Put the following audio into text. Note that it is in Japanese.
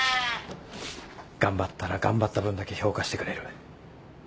頑張ったら頑張った分だけ評価してくれる。